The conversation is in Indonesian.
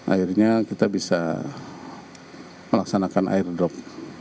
akhirnya kita bisa melaksanakan airdrop